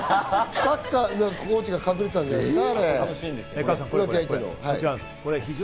サッカーのコーチが隠れてたんじゃないですか？